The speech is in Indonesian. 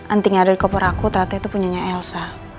antingnya ada di koper aku ternyata itu punya elsa